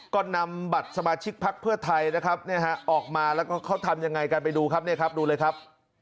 ก็นำบัตรสมาชิกภักดิ์เพื่อไทยออกมาแล้วก็เขาทำยังไงกันไปดูครับดูเลยครับ